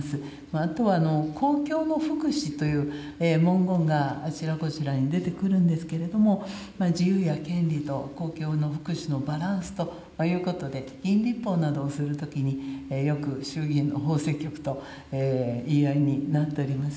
あとは、公共の福祉という文言があちらこちらに出てくるんですけれども、自由や権利と公共の福祉のバランスということで、議員立法などをすることに、よく衆議院の法制局と言い合いになっております。